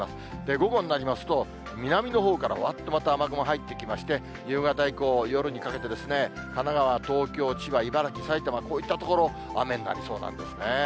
午後になりますと、南のほうからわっと雨雲また入ってきまして、夕方以降、夜にかけて、神奈川、東京、千葉、茨城、埼玉、こういった所、雨になりそうなんですね。